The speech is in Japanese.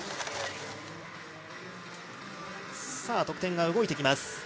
得点が動いてきます。